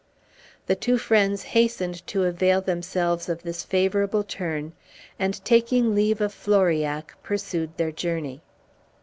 The two friends hastened to avail themselves of this favorable turn, and taking leave of Floriac, pursued their journey.